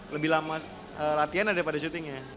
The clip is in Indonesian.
lebih lama latihan daripada syutingnya